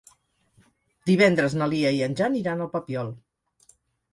Divendres na Lia i en Jan iran al Papiol.